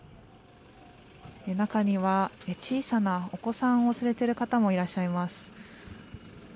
中には小さなお子さんを連れている方もいらっしゃいます。